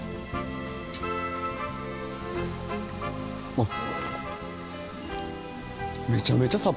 あっ。